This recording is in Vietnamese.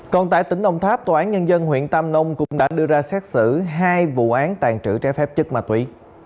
còn tại tỉnh đồng tháp tòa án nhân dân huyện tam nông cũng đã đưa ra xét xử hai vụ án tàn trữ trái phép chất ma túy